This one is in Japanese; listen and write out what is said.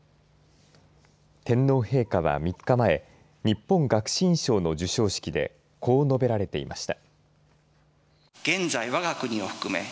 天皇陛下は３日前日本学士院賞の授賞式でこう述べられていました。